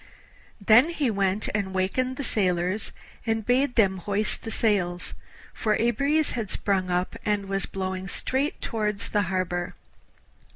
Then he went and wakened the sailors, and bade them hoist the sails, for a breeze had sprung up and was blowing straight towards the harbour.